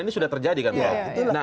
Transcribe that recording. ini sudah terjadi kan